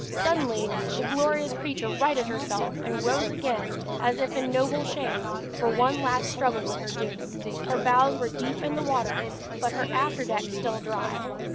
Suddenly the glorious creature righted herself, and rose again, as if in noble shame, for one last struggle with her doom. Her bows were deep in the water, but her afterdeck still dry.